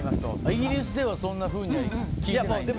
イギリスではそんなふうには聞いてないんだ？